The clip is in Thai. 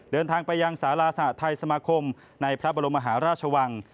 เดินทางไปยังสาราสหทัยสมาคมในพระบรมมหาราชวัง